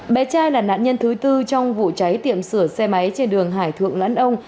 bé trai là nạn nhân thứ tư trong vụ cháy tiệm sửa xe máy trên đường hải thượng lẫn ông